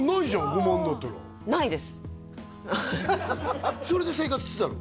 ５万だったらそれで生活してたの？